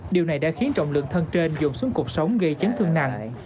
điều này đã khiến trọng lượng thân trên dồn xuống cuộc sống gây chấn thương nặng